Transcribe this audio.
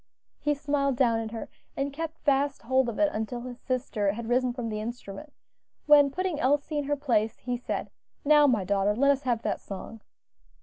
He smiled down at her, and kept fast hold of it until his sister had risen from the instrument, when putting Elsie in her place, he said, "Now, my daughter, let us have that song."